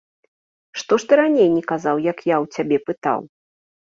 Што ж ты раней не казаў, як я ў цябе пытаў?